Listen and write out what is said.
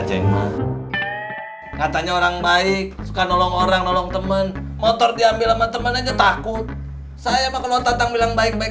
eh kang dadang orangnya memang baik